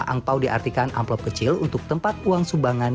angpau diartikan amplop kecil untuk tempat uang sumbangan